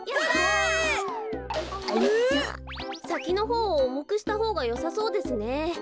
さきのほうをおもくしたほうがよさそうですね。